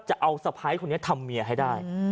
จะเอาสะพายให้คนนี้ทำเมียให้ได้